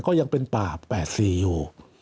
ก็ยังเป็นป่า๘๔อยู่